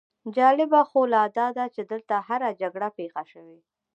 جالبه خو لا داده چې دلته هره جګړه پېښه شوې.